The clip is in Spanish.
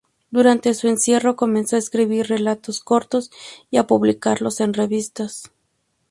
Durante su encierro comenzó a escribir relatos cortos y a publicarlos en revistas.